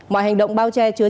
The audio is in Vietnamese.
mọi hành động bao che chứa